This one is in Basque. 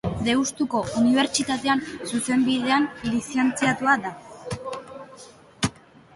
Deustuko Unibertsitatean Zuzenbidean lizentziatua da.